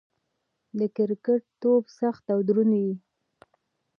د کرکټ توپ سخت او دروند يي.